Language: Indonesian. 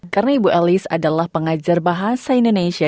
karena ibu elis adalah pengajar bahasa indonesia